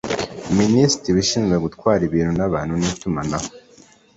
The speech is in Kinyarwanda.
Minisitiri ushinzwe Gutwara abantu n’ibintu ni utumanaho.